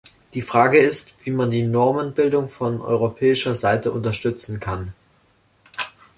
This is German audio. Die Frage ist, wie man die Normenbildung von europäischer Seite unterstützen kann.